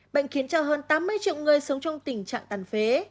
bệnh khiến cho hơn tám mươi triệu người sống trong tình trạng tàn phế